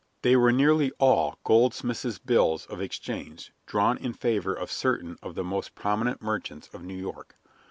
They were nearly all goldsmiths' bills of exchange drawn in favor of certain of the most prominent merchants of New York.